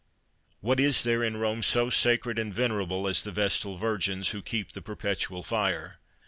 What is there in Rome so sacred and venerable as the Vestal Virgins who keep the perpetual fire?